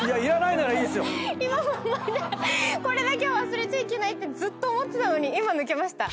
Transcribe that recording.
これだけは忘れちゃいけないってずっと思ってたのに抜けました。